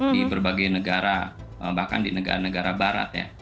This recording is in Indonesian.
di berbagai negara bahkan di negara negara barat ya